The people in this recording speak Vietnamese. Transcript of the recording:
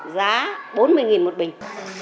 giá bốn mươi một bình